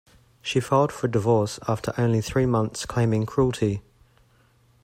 She filed for divorce after only three months claiming cruelty.